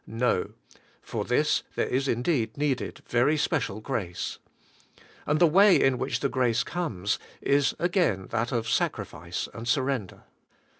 No; for this there is indeed needed very special grace. And the way in which the grace comes is again that of sacri fice and surrender.